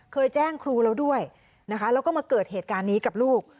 เคยแจ้งครูแล้วด้วยนะคะแล้วก็มาเกิดเหตุการณ์นี้กับลูก